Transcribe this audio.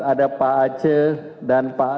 ada pak aceh dan pak